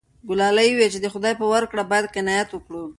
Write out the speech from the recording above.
ګلالۍ وویل چې د خدای په ورکړه باید قناعت وکړو.